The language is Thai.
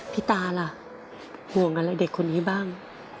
ตาล่ะห่วงอะไรเด็กคนนี้บ้าง